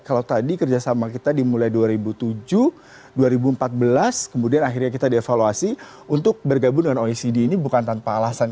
kalau tadi kerjasama kita dimulai dua ribu tujuh dua ribu empat belas kemudian akhirnya kita dievaluasi untuk bergabung dengan oecd ini bukan tanpa alasan